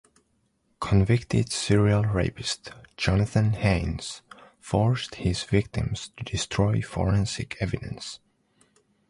Convicted serial rapist Jonathan Haynes forced his victims to destroy forensic evidence.